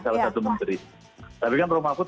salah satu menteri tapi kan prof mahfud